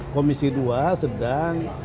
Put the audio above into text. komisi dua sedang